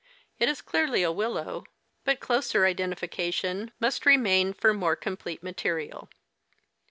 It is clearly a willow, but closer identitu ition must remain for more complete material.